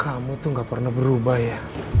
kamu tuh gak pernah berubah ya